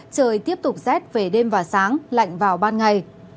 trời tiếp tục rét về đêm và sáng lạnh vào ban ngày